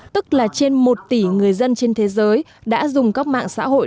tức là trên một tỷ người dân trên thế giới đã dùng các mạng xã hội